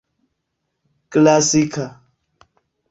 klasika